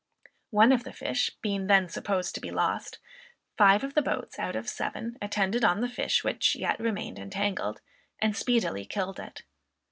One of the fish being then supposed to be lost, five of the boats out of seven attended on the fish which yet remained entangled, and speedily killed it.